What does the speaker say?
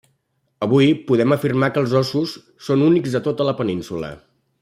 Avui, podem afirmar que els ossos són únics a tota la Península.